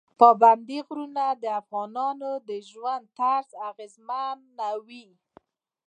پابندی غرونه د افغانانو د ژوند طرز اغېزمنوي.